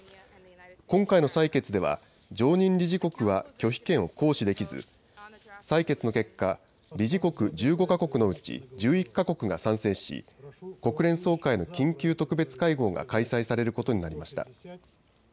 今回の採決では常任理事国は拒否権を行使できず採決の結果、理事国１５か国のうち１１か国が賛成し国連総会の緊急特別会合が開催されることになりました。